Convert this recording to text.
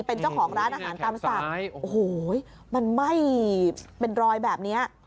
เป็นเจ้าของร้านอาหารตามสั่งโอ้โหมันไหม้เป็นรอยแบบนี้